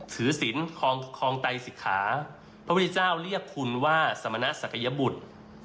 ถือศิลป์คลองไตศิกขาพระพุทธเจ้าเรียกคุณว่าสมณศักยบุตร